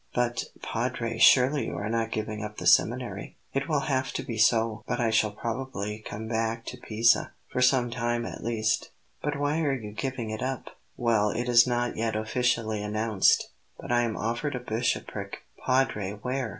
"But, Padre, surely you are not giving up the seminary?" "It will have to be so; but I shall probably come back to Pisa, for some time at least." "But why are you giving it up?" "Well, it is not yet officially announced; but I am offered a bishopric." "Padre! Where?"